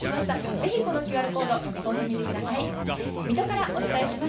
ぜひこのＱＲコード読み込んでみてください。